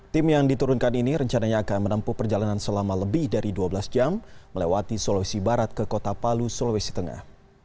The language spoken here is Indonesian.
tim yang diturunkan ini rencananya akan menempuh perjalanan selama lebih dari dua belas jam melewati sulawesi barat ke kota palu sulawesi tengah